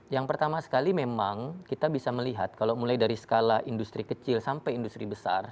yang pertama sekali memang kita bisa melihat kalau mulai dari skala industri kecil sampai industri besar